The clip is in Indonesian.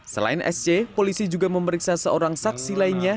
selain sc polisi juga memeriksa seorang saksi lainnya